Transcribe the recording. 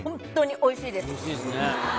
おいしいですね。